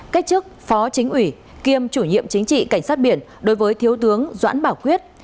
cách chức phó chính ủy kiêm chủ nhiệm chính trị cảnh sát biển đối với thiếu tướng doãn bảo quyết